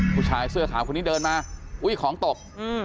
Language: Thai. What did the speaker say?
ผู้ชายเสื้อขาวคนนี้เดินมาอุ้ยของตก